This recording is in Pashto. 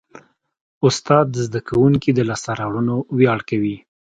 استاد د زده کوونکي د لاسته راوړنو ویاړ کوي.